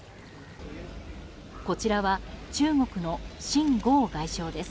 こちらは中国のシン・ゴウ外相です。